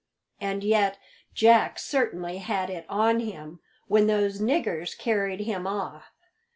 And yet Jack certainly had it on him when those niggers carried him off.